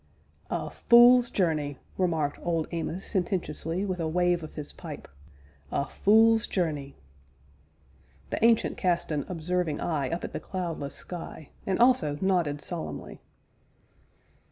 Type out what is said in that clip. "A fule's journey!" remarked Old Amos sententiously, with a wave of his pipe; "a fule's journey!" The Ancient cast an observing eye up at the cloudless sky, and also nodded solemnly.